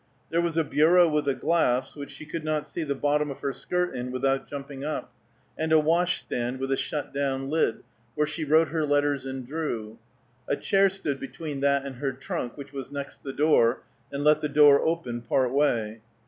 There was a bureau with a glass, which she could not see the bottom of her skirt in without jumping up; and a wash stand with a shut down lid, where she wrote her letters and drew; a chair stood between that and her trunk, which was next the door, and let the door open part way.